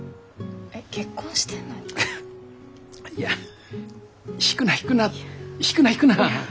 いや引くな引くな引くな引くな。